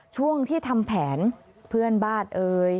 ช่วงที่ทำแผนเพื่อนบ้านเอ่ย